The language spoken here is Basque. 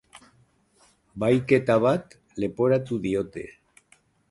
Bahiketa bat leporatu diote.